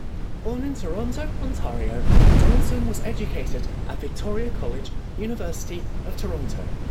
Born in Toronto, Ontario, Donaldson was educated at Victoria College, University of Toronto.